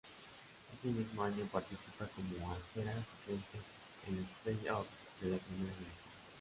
Ese mismo año, participa como arquera suplente en los Play-Off de la primera división.